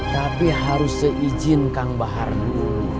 tapi harus saya izin kang bahar dulu